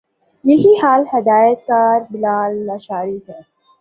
یہی حال ہدایت کار بلال لاشاری کی